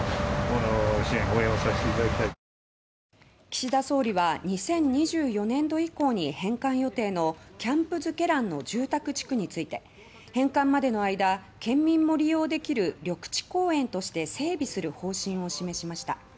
岸田総理は２０２４年度以降に返還予定のキャンプ瑞慶覧の住宅地区について返還までの間県民も利用できる緑地公園として整備する方針を示しました。